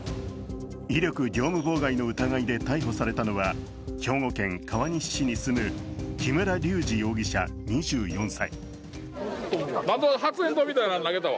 威力業務妨害の疑いで逮捕されたのは兵庫県川西市に住む木村隆二容疑者２４歳。